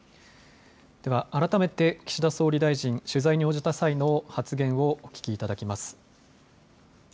では改めて岸田総理大臣取材に応じた際の発言をお聞きいただきます。